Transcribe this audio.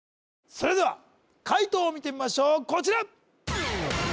それでは解答を見てみましょうこちら！